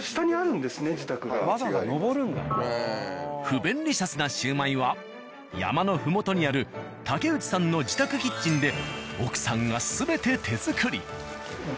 不便利シャスなシュウマイは山の麓にある竹内さんの自宅キッチンで奥さんが全て手作り。